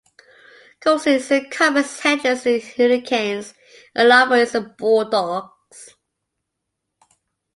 Coulston is the Comets, Hendricks is the Hurricanes and Loper is the Bulldogs.